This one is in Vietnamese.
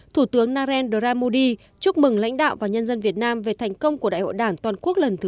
thủ tướng narendra modi chúc mừng lãnh đạo và nhân dân việt nam về thành công của đại hội đảng toàn quốc lần thứ một mươi